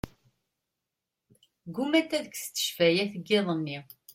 Ggumant ad kksent ccfayat n yiḍ-nni.